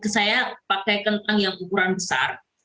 saya pakai kentang yang ukuran besar